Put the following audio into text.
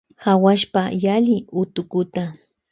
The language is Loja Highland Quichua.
Hawuashpa yali utukuta.